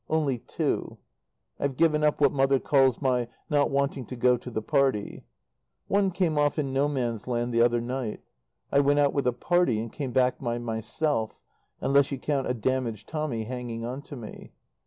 Only two. (I've given up what Mother calls my "not wanting to go to the party.") One came off in "No Man's Land" the other night. I went out with a "party" and came back by myself unless you count a damaged Tommy hanging on to me.